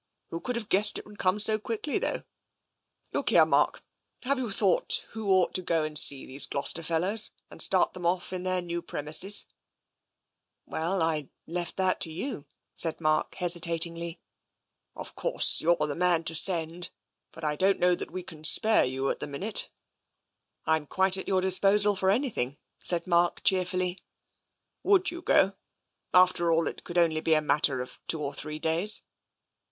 Who could have guessed it would come so quickly, though? Look here, Mark, have you thought who ought to go and see these Gloucester fel lows and start them off in their new premises ?" "Well — I left that to you," said Mark hesitat ingly. " Of course, you're the man to send, but I don't know that we can spare you at the minute." 2o6 TENSION " Tm quite at your disposal for anything," said Mark cheerfully. " Would you go? After all, it could only be a mat ter of two or three days."